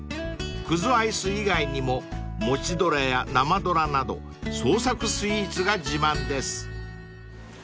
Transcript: ［葛アイス以外にもモチドラやナマドラなど創作スイーツが自慢です］